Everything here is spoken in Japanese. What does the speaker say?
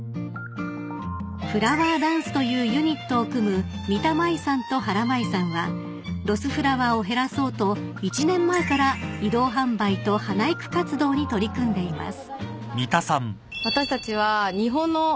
［ＦｌｏｗｅｒＤａｎｃｅというユニットを組む三田真維さんと原麻衣さんはロスフラワーを減らそうと１年前から移動販売と花育活動に取り組んでいます］